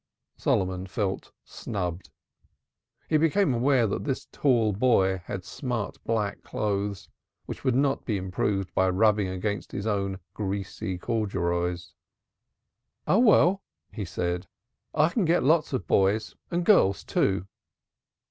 Solomon felt snubbed. He became aware that this tall boy had smart black clothes, which would not be improved by rubbing against his own greasy corduroys. "Oh, well," he said, "I can get lots of boys, and girls, too."